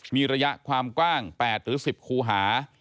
มีระยะความกว้าง๘หรือ๑๐คูหา